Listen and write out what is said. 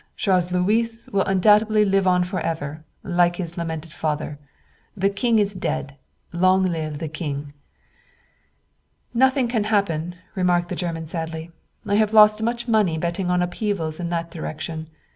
Charles Louis will undoubtedly live on forever, like his lamented father. The King is dead: long live the King!" "Nothing can happen," remarked the German sadly. "I have lost much money betting on upheavals in that direction.